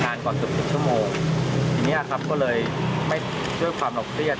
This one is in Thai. นานกว่า๑๐ชั่วโมงทีนี้ครับก็เลยไม่เชื่อความรอบเตรียด